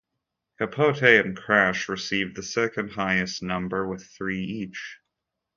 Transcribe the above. "Capote" and "Crash" received the second highest number with three each.